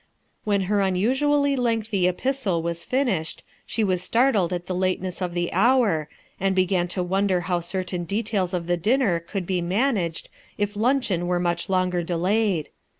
When her unusually lengthy epistle was finished, she was startled at the lateness of the hour, and began to wonder how certain details of the dinner could be man aged if luncheon were much longer delayed.